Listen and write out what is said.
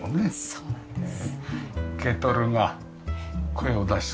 そうなんです。